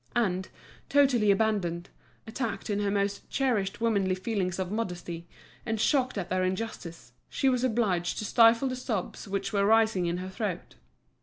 And, totally abandoned, attacked in her most cherished womanly feelings of modesty, and shocked at their injustice, she was obliged to stifle the sobs which were rising in her throat.